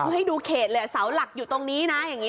ให้ดูเขตเลยเสาหลักอยู่ตรงนี้นะ